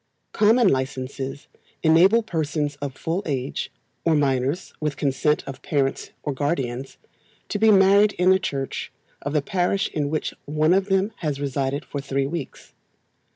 Common Licences enable persons of full age, or minors with consent of parents or guardians, to be married in the church of the parish in which one of them has resided for three weeks.